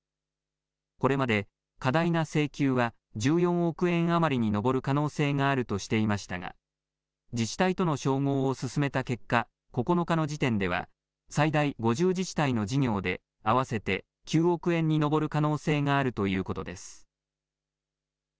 これまで過大な請求は１４億円余りに上る可能性があるとしていましたが自治体との照合を進めた結果９日の時点では最大５０自治体の事業で合わせて９億円に上る可能性があるということです。